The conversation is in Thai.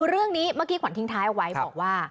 เรื่องนี้เมื่อกี้ขวัญทิ้งท้ายเอาไว้บอกว่า